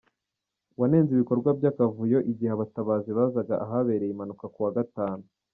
Wanenze "ibikorwa by'akavuyo" igihe abatabazi bazaga ahabereye impanuka ku wa Gatanu.